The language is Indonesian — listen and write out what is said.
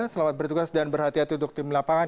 selamat bertugas dan berhati hati untuk tim lapangan